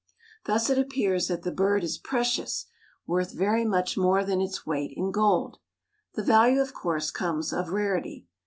Thus it appears that the bird is precious; worth very much more than its weight in gold. The value, of course, comes of rarity.